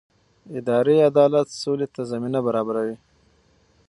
اداري عدالت سولې ته زمینه برابروي